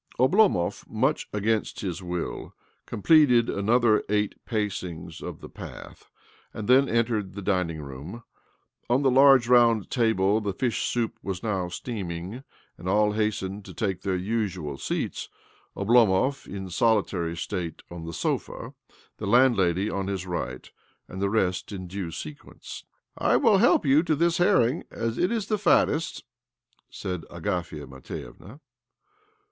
Oblomov, much against his will, complete another eight pacings of the path, and the entered the dining room. On the larj round table the fish soup was now steaminj and all hastened to take their usual seats Oblomov in solitary state on the sofa, tl: landlady on his right, and the rest i due sequence. " I will help you to this, herring, as it the fattest," said Agafia Matvievna.